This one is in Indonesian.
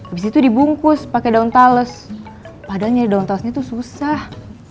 abis itu dibungkus pake daun tales padahal nyari daun talesnya tuh susah